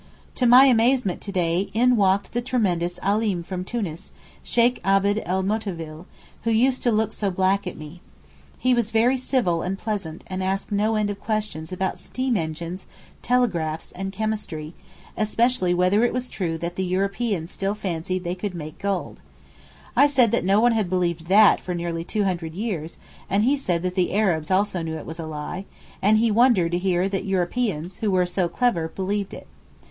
To my amazement to day in walked the tremendous Alim from Tunis, Sheykh Abd el Moutovil, who used to look so black at me. He was very civil and pleasant and asked no end of questions about steam engines, and telegraphs and chemistry; especially whether it was true that the Europeans still fancied they could make gold. I said that no one had believed that for nearly two hundred years, and he said that the Arabs also knew it was 'a lie,' and he wondered to hear that Europeans, who were so clever, believed it.